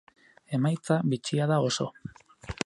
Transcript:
Emaitza bitxia da oso.